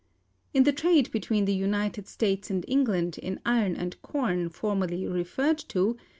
In the trade between the United States and England in iron and corn, formerly referred to (p.